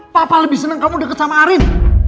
papa lebih senang kamu deket sama arin